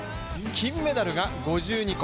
金メダルが５２個。